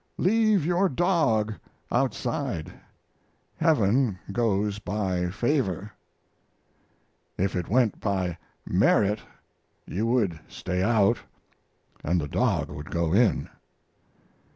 Leave your dog outside. Heaven goes by favor. If it went by merit you would stay out and the dog would go in.